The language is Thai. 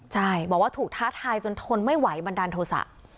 ใช่บอกว่าถูกท้าทายจนทนไม่ไหวบันดาลโทษะ